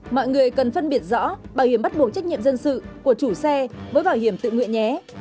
mọi người cần phân biệt rõ bảo hiểm bắt buộc trách nhiệm dân sự của chủ xe với bảo hiểm tự nguyện nhé